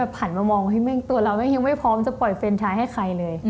ผันมามองว่าปึ่งตัวเราไม่พร้อมปล่อยเฟรนชัยให้ใครเลย